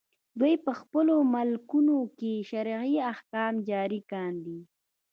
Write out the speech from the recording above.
دوی په خپلو ملکونو کې شرعي احکام جاري کاندي.